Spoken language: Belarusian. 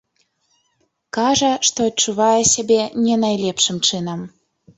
Кажа, што адчувае сябе не найлепшым чынам.